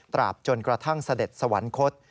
จนกระทั่งเสด็จสวรรคต